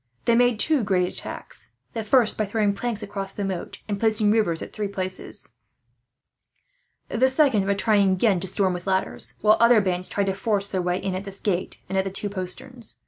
They made two great attacks: the first by throwing planks across the moat, and placing ladders at three places; the second by trying, again, to storm with ladders, while other bands tried to force their way in at this gateway, and at the two posterns.